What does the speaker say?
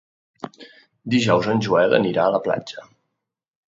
Dijous en Joel anirà a la platja.